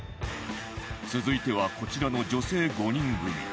続いてはこちらの女性５人組